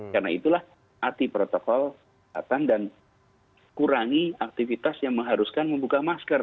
karena itulah arti protokol dan kurangi aktivitas yang mengharuskan membuka masker